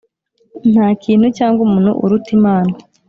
Nta kintu cyangwa umuntu uruta Imana;